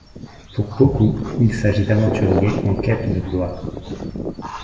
Pour beaucoup, il s'agit d'aventuriers en quête de gloire.